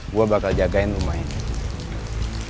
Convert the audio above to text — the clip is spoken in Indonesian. gue bakal jagain rumah ini